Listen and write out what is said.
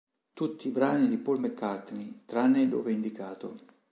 Tutti i brani di Paul McCartney, tranne dove indicato.